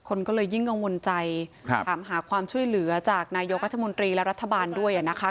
คนก็เลยยิ่งกังวลใจถามหาความช่วยเหลือจากนายกรัฐมนตรีและรัฐบาลด้วยนะคะ